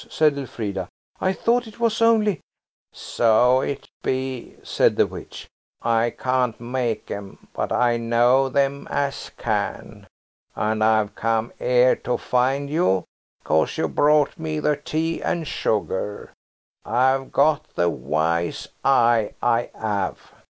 said Elfrida. "I thought it was only–" "So it be," said the witch. "I can't make 'em, but I know them as can. And I've come 'ere to find you, 'cause you brought me the tea and sugar. I've got the wise eye, I have.